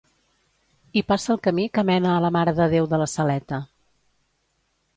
Hi passa el camí que mena a la Mare de Déu de la Saleta.